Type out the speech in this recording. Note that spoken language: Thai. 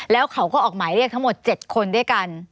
แล้วเขาก็ออกหมายเรียกทั้งหมด๗คนด้วยกัน